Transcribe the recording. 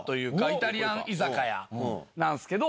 イタリアン居酒屋なんすけど。